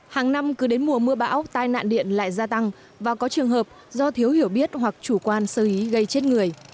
hàng năm cứ đến mùa mưa bão tai nạn điện lại gia tăng và có trường hợp do thiếu hiểu biết hoặc chủ quan sơ ý gây chết người